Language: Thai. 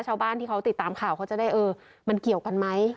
ชาวบ้านที่เขาติดตามข่าวเขาจะได้เออมันเกี่ยวกันไหม